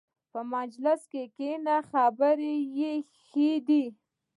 په مجلس کښېنه، خبرې ښې دي.